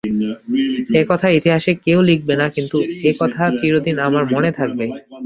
এ কথা ইতিহাসে কেউ লিখবে না, কিন্তু এ কথা চিরদিন আমাদের মনে থাকবে।